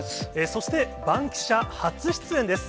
そして、バンキシャ初出演です。